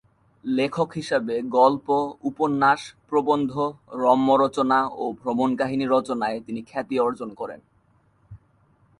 লেখক হিসেবে গল্প, উপন্যাস, প্রবন্ধ, রম্যরচনা ও ভ্রমণকাহিনী রচনায় তিনি খ্যাতি অর্জন করেন।